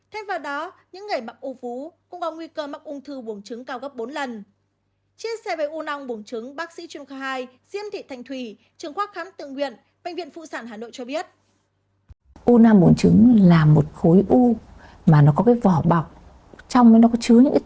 thêm vào đó những người mắc u vú cũng có nguy cơ mắc ung thư buồng trứng cao gấp bốn lần